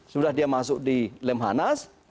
sudah dia masuk di lemhanas